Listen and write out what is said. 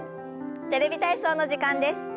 「テレビ体操」の時間です。